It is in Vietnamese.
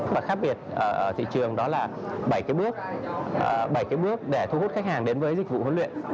và khác biệt ở thị trường đó là bảy cái bước bảy cái bước để thu hút khách hàng đến với dịch vụ huấn luyện